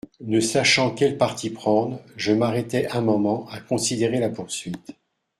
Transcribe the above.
Ne sachant quel parti prendre, je m'arrêtai un moment à considérer la poursuite.